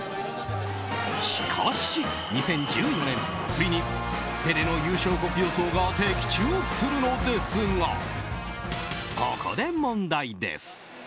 しかし、２０１４年ついに、ペレの優勝国予想が的中するのですがここで問題です。